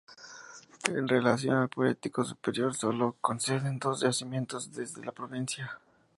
En relación al Paleolítico Superior, sólo se conocen dos yacimientos dentro de la provincia.